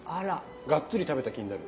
がっつり食べた気になる。